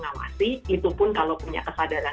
ngawasi itu pun kalau punya kesadaran